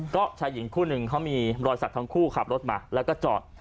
ก็ชายหญิงคู่หนึ่งเขามีรอยสักทั้งคู่ขับรถมาแล้วก็จอด